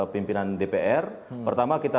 pimpinan dpr pertama kita